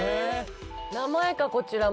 名前かこちらも。